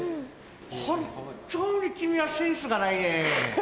本当に君はセンスがないね。